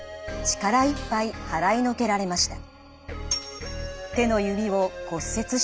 力いっぱい払いのけられました。